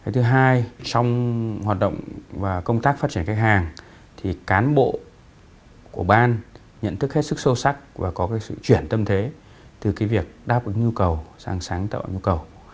thứ hai trong hoạt động và công tác phát triển khách hàng thì cán bộ của ban nhận thức hết sức sâu sắc và có sự chuyển tâm thế từ việc đáp ứng nhu cầu sang sáng tạo nhu cầu